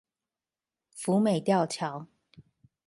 福美吊橋